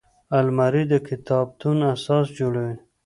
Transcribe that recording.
الماري د کتابتون اساس جوړوي